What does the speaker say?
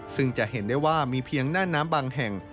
ซึ่งจะเห็นได้ว่ามีเพียงหน้าน้ำบางแห่ง